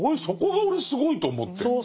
そこが俺すごいと思って。